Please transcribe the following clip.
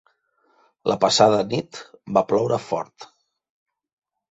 La passada nit va ploure fort.